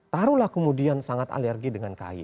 taruhlah kemudian sangat alergi dengan kay